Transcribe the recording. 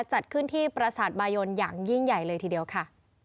จัดขึ้นที่ประสาทบายนอย่างยิ่งใหญ่เลยทีเดียวค่ะ